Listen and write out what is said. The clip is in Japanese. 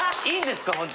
いいんですか？